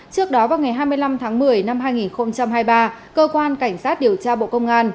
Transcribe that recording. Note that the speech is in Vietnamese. trước đó vào ngày hai mươi năm tháng một mươi năm hai nghìn hai mươi ba cơ quan cảnh sát điều tra bộ công an